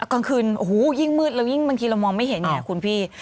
กลางคืนยิ่งมืดแล้วยิ่งบางทีเรามองไม่เห็นอย่างไรคุณพี่